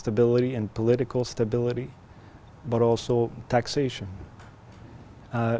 và tính năng lực của chính quyền và chính quyền